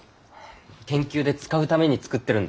研究で使うために作ってるんだよ。